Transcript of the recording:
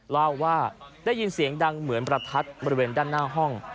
เล่าว่าได้ยินเสียงดังเหมือนประทัดบริเวณด้านหน้าห้อง